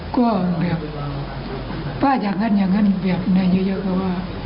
ก็แบบพออย่างงั้นอย่างงั้นแบบแน่เย้เย้เขาว่า